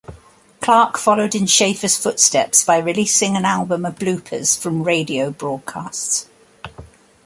Clark followed in Schafer's footsteps by releasing an album of bloopers from radio broadcasts.